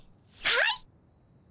はい！